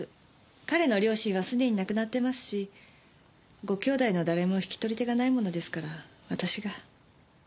彼の両親はすでに亡くなってますしご兄妹の誰も引き取り手がないものですから私が。